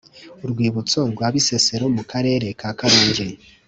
Urwibutso rwa bisesero mu karere ka karongi